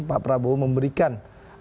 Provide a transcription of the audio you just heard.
pak prabowo memberikan